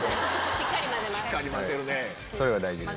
しっかり混ぜます。